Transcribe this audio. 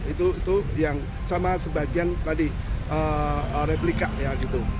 itu yang sama sebagian tadi replika ya gitu